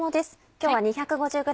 今日は２５０ｇ